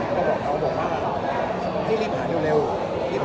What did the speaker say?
ก็ทำได้กับเรื่อง